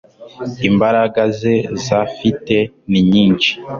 imbaraga ze zafite ni nyishi